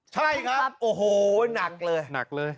ใช่ครับโอ้โหหนักเลย